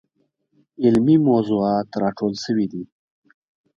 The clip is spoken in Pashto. علمي موضوعات راټول شوي دي.